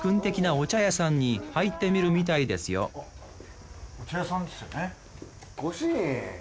お茶屋さんですよね。